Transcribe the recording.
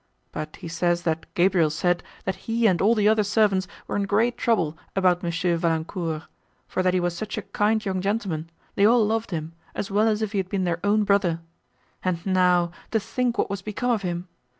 But he says that Gabriel said, that he and all the other servants were in great trouble about M. Valancourt, for that he was such a kind young gentleman, they all loved him, as well as if he had been their own brother—and now, to think what was become of him!